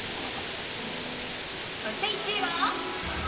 そして１位は。